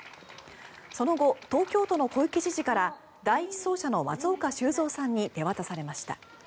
その後、東京都の小池知事から第１走者の松岡修造さんに手渡されました。